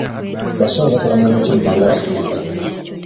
Basawo bakola mulimu ki mu malwaliro?